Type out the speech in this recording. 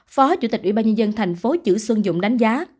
phó chủ tịch ubnd thành phố chữ xuân dũng đánh giá